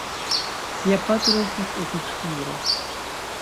Lia patro estis oficiro.